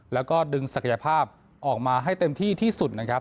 แล้วก็ดึงศักยภาพออกมาให้เต็มที่ที่สุดนะครับ